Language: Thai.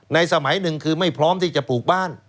สมัยหนึ่งคือไม่พร้อมที่จะปลูกบ้าน